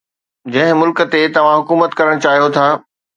جنهن ملڪ تي توهان حڪومت ڪرڻ چاهيو ٿا